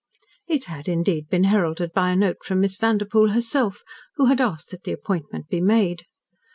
It had, indeed, been heralded by a note from Miss Vanderpoel herself, who had asked that the appointment be made.